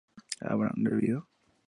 ¿habrán bebido?